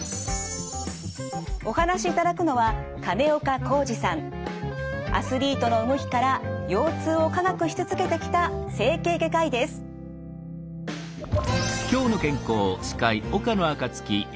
お話しいただくのはアスリートの動きから腰痛を科学し続けてきた整形外科医です。